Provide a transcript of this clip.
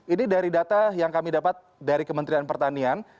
ini dari data yang kami dapat dari kementerian pertanian